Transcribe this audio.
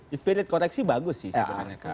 di spirit koreksi bagus sih sebenarnya